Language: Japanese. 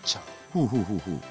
ほうほうほうほう。